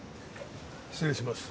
失礼します。